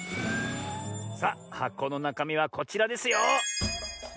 さあはこのなかみはこちらですよ！